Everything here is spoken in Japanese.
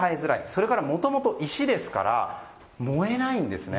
それからもともと石ですから燃えないんですね。